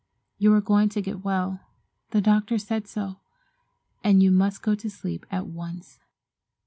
You are going to get well. The doctor says so, and you must go to sleep at once."